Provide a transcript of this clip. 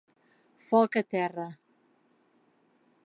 Foc a terra.